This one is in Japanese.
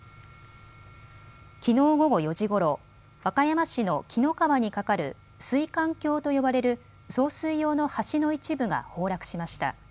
きのう午後４時ごろ、和歌山市の紀の川に架かる水管橋と呼ばれる送水用の橋の一部が崩落しました。